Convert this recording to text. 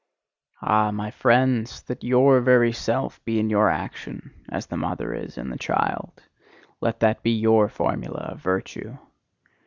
Ah! my friends! That YOUR very Self be in your action, as the mother is in the child: let that be YOUR formula of virtue!